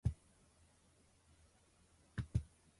ご飯を食べましたか？